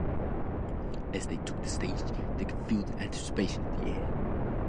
As they took the stage, they could feel the anticipation in the air.